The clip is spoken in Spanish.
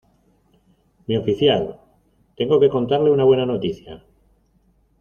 mi oficial, tengo que contarle una buena noticia.